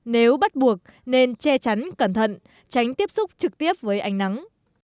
nếu bắt buộc nên che chắn cẩn thận tránh tiếp xúc trực tiếp với ánh nắng